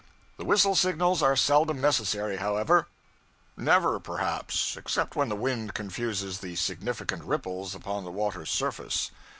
The whistle signals are seldom necessary, however; never, perhaps, except when the wind confuses the significant ripples upon the water's surface.